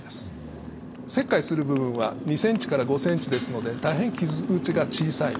切開する部分は２ｃｍから５ｃｍですので大変傷口が小さい。